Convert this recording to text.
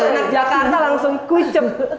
nek jakarta langsung kucep